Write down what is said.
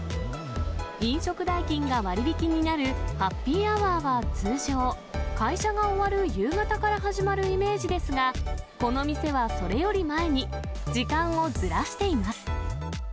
飲食代金が割引になるハッピーアワーは通常、会社が終わる夕方から始まるイメージですが、この店はそれより前に時間をずらしています。